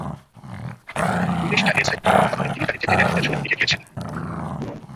Police জানিয়েছে, কোনো কারণে তিনি গাড়ি থেকে নেমে পেছনের দিকে গিয়েছিলেন।